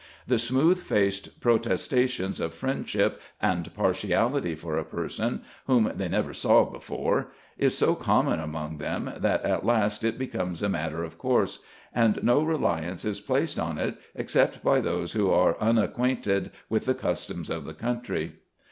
The smooth faced protestations of friendship and partiality for a person, whom they never saw before, ,is so common among them, that at last it becomes a matter of course ; and no reliance is placed on it, except by those who are unacquainted with the customs of the country.